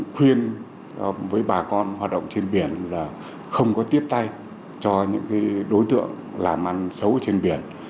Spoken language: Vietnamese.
khuyên với bà con hoạt động trên biển là không có tiếp tay cho những đối tượng làm ăn xấu trên biển